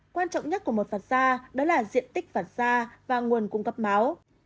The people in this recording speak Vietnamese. quan trọng nhất của một vặt ra đó là diện tích vặt ra và nguồn cung cấp máu